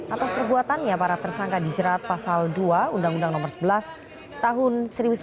atas perbuatannya para tersangka dijerat pasal dua undang undang nomor sebelas tahun seribu sembilan ratus sembilan puluh